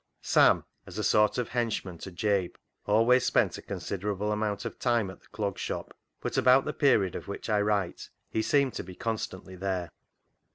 Sam, as a sort of henchman to Jabe, always spent a considerable amount of time at the Clog Shop, but about the period of which I write he seemed to be constantly there.